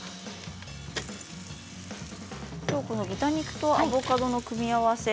きょうは豚肉とアボカドの組み合わせ